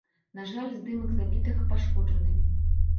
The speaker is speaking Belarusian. На жаль, здымак забітага пашкоджаны.